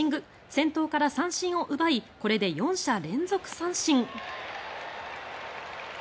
先頭から三振を奪いこれで４者連続三振。